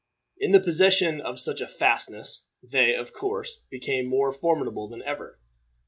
In the possession of such a fastness, they, of course, became more formidable than ever.